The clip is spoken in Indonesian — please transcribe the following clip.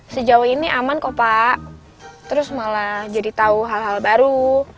sejauh ini aman kok pak terus malah jadi tahu hal hal baru